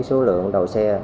số lượng đầu xe